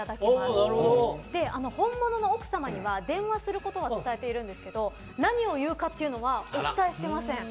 そして、本物の奥様には電話することは伝えているんですけど何を言うかというのはお伝えしていません。